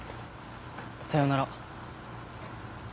さよなら。